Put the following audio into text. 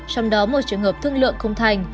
trong đó một trường hợp thương lượng không thành